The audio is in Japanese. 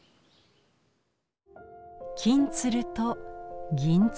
金鶴と銀鶴。